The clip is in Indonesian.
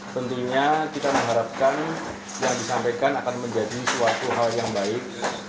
tentunya kita mengharapkan yang disampaikan akan menjadi suatu hal yang baik